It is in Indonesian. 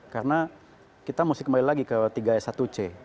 karena kita mesti kembali lagi ke tiga s satu c